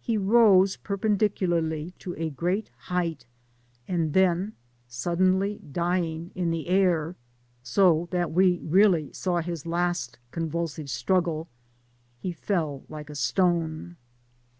He rose perpendicularly to a great height, and then, suddenly dying in the air — so that we really saw his last convulsive struggle — ^he fell like a stone.